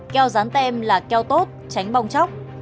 keo dán tem là keo tốt tránh bong chóc